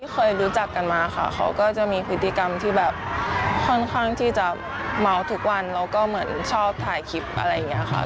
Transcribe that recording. เคยรู้จักกันมาค่ะเขาก็จะมีพฤติกรรมที่แบบค่อนข้างที่จะเมาทุกวันแล้วก็เหมือนชอบถ่ายคลิปอะไรอย่างนี้ค่ะ